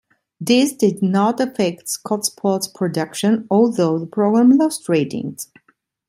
This did not affect "Scotsport's" production, although the programme lost ratings.